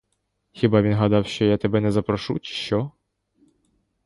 Хіба він гадав, що я тебе не запрошу, чи що?